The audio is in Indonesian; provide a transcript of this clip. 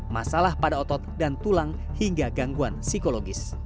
masalah pada otot dan tulang hingga gangguan psikologis